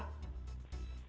dan itu memang